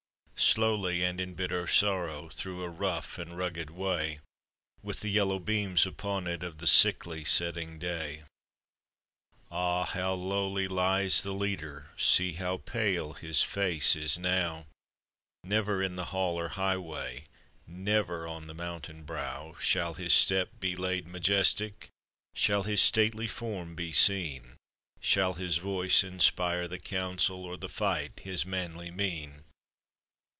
Slowly, and in bitter sorrow, Through a rough and rugged way, With the yellow beams upon it Of the sickly setting day. Ah! how lowly lies the leader; See how pale his face is now; Never in the hall or highway — Never on the mountain brow — 27 Shall his step be laid majestic: Shall his stately form be seen ; Shall his voice inspire the council. Or the light his manly mien.